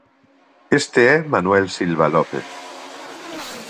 Este é Manuel Silva López.